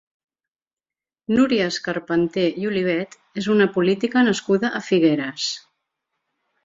Núria Escarpanter i Olivet és una política nascuda a Figueres.